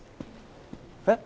えっ？